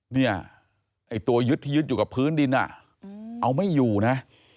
เนี่ยไอ้ตัวยึดที่ยึดอยู่กับพื้นดินเอาไม่อยู่นะ